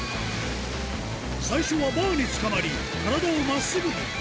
最初はバーにつかまり、体をまっすぐに。